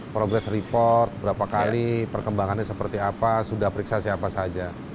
progress report berapa kali perkembangannya seperti apa sudah periksa siapa saja